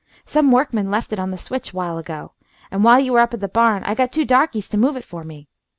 Some workman left it on the switch while ago, and while you were up at the barn I got two darkeys to move it for me.